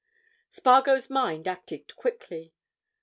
Spargo's mind acted quickly.